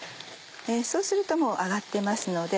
そうするともう揚がってますので。